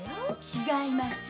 違います。